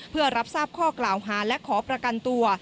เพื่อรับทราบข้อกล่าวหาและขอประกันตัว